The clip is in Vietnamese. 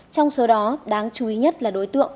trong số đó đáng chú ý nhất là đối tượng